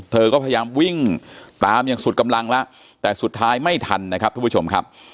เธอก็พยายามวิ่งตามอย่างสุดกำลังแล้วแต่สุดท้ายไม่ทันนะครับทุกผู้ชมครับ